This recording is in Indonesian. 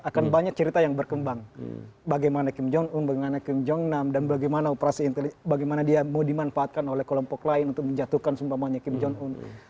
akan banyak cerita yang berkembang bagaimana kim jong un bagaimana kim jong nam dan bagaimana operasi bagaimana dia mau dimanfaatkan oleh kelompok lain untuk menjatuhkan seumpamanya kim jong un